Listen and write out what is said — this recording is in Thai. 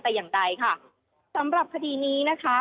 ให้แต่งงานด้วยแต่อย่างใดค่ะสำหรับคดีนี้นะคะ